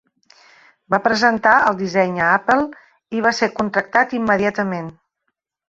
Va presentar el disseny a Apple i va ser contractat immediatament.